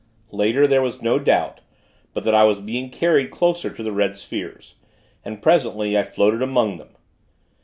Later, there was no doubt but that I was being carried closer to the red spheres, and, presently, I floated among them.